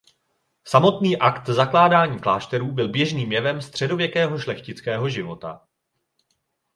Samotný akt zakládání klášterů byl běžným jevem středověkého šlechtického života.